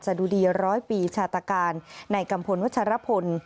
จะดูดี๑๐๐ปีชาตาการในกัมพลวัชฌาปน